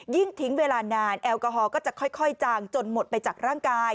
ยิ่งทิ้งเวลานานแอลกอฮอลก็จะค่อยจางจนหมดไปจากร่างกาย